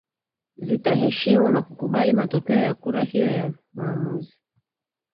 zitaheshimu na kukubali matokeo ya kura hiyo ya maamuzii